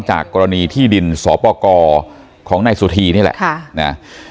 จากกรณีที่ดินสอปกรของนายสุธีนี่แหละ